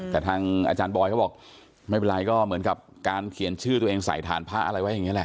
แต่ทางอาจารย์บอยเขาบอกไม่เป็นไรก็เหมือนกับการเขียนชื่อตัวเองใส่ฐานพระอะไรไว้อย่างนี้แหละ